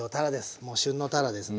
もう旬のたらですね。